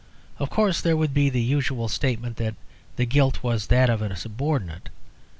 Of course there would be the usual statement that the guilt was that of a subordinate.